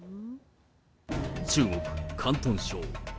中国・広東省。